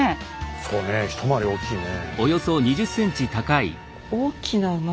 そうね一回り大きいね。